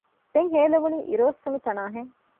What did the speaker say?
ދެން ހޭލެވުނީ އިރުއޮއްސުނުތަނާ ހެން